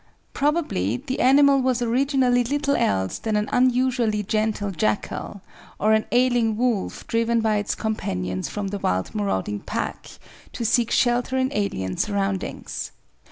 Probably the animal was originally little else than an unusually gentle jackal, or an ailing wolf driven by its companions from the wild marauding pack to seek shelter in alien surroundings.